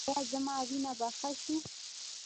ایا زما وینه به ښه شي؟